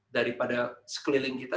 daripada sekeliling kita